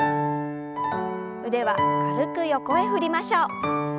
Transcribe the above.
腕は軽く横へ振りましょう。